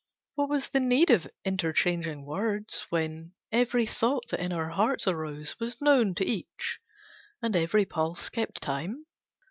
What was the need Of interchanging words when every thought That in our hearts arose, was known to each, And every pulse kept time?